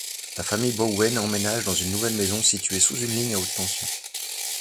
La famille Bowen emménage dans une nouvelle maison située sous une ligne à haute-tension.